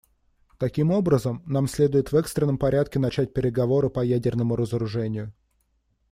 Таким образом, нам следует в экстренном порядке начать переговоры по ядерному разоружению.